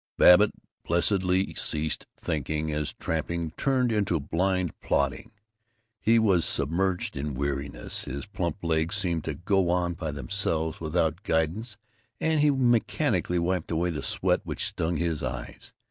Babbitt blessedly ceased thinking as tramping turned into blind plodding. He was submerged in weariness. His plump legs seemed to go on by themselves, without guidance, and he mechanically wiped away the sweat which stung his eyes.